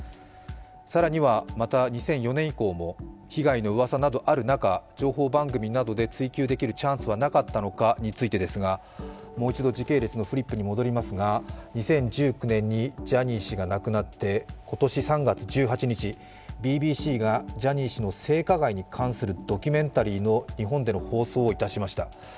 更にはまた２００４年以降も被害のうわさなどある中、情報番組などで追及できるチャンスがなかったのかについてですがもう一度時系列のフリップに戻りますが、２０１９年にジャニー氏が亡くなって今年３月１８日、ＢＢＣがジャニー氏の性加害に関するドキュメンタリーの日本での放送をいたしました。